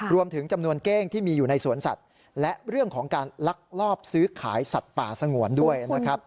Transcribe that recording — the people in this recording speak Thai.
รวมถึงจำนวนเก้งที่มีอยู่ในสวนสัตว์และเรื่องของการลักลอบซื้อขายสัตว์ป่าสงวนด้วยนะครับ